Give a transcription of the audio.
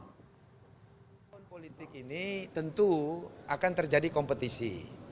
tahun politik ini tentu akan terjadi kompetisi